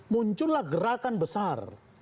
muncullah gerakan besar